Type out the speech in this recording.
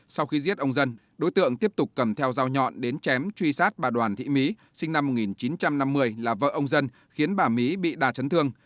sau khi giết ông dân đối tượng tiếp tục cầm theo dao nhọn đến chém truy sát bà đoàn thị mỹ sinh năm một nghìn chín trăm năm mươi là vợ ông dân khiến bà mỹ bị đà chấn thương